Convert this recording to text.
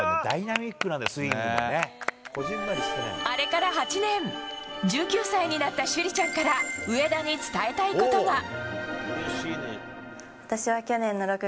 あれから８年１９歳になった朱莉ちゃんから上田に伝えたいことが。